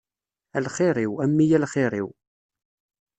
A lxir-iw, a mmi a lxir-iw.